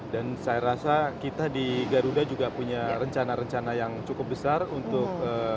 dan saya rasa kita di garuda juga punya rencana rencana yang cukup besar untuk